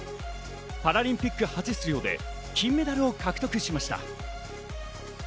パラリンピック初出場で金メダルを獲得しました。